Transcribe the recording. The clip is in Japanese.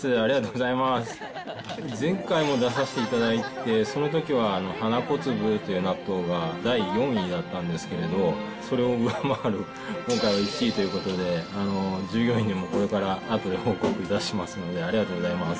前回も出させていただいて、そのときは花こつぶという納豆が第４位だったんですけれど、それを上回る、今回は１位ということで、従業員にもこれから、あとで報告いたしますので、ありがとうございます。